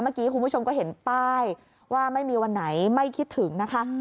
เมื่อกี้คุณผู้ชมก็เห็นป้ายว่าไม่มีวันไหนไม่คิดถึงนะคะ